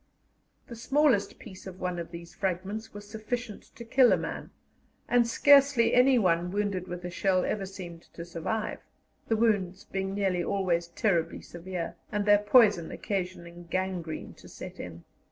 The smallest piece of one of these fragments was sufficient to kill a man, and scarcely anyone wounded with a shell ever seemed to survive, the wounds being nearly always terribly severe, and their poison occasioning gangrene to set in.